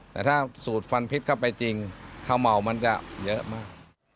แต่ถ้าสูดฟันพิษเข้าไปจริงข้าวเมามันจะเยอะมาก